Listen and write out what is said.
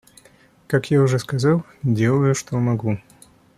Как я уже сказал, делаю, что могу.